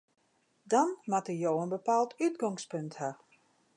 Dan moatte jo in bepaald útgongspunt ha.